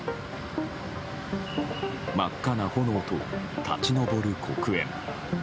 真っ赤な炎と立ち上る黒煙。